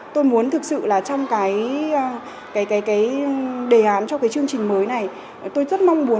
tôi muốn thực sự là trong cái đề án cho cái chương trình mới này tôi rất mong muốn